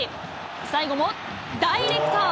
最後もダイレクト。